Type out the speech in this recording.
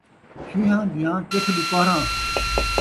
شین٘ہاں دیاں کتھ ݙوپہراں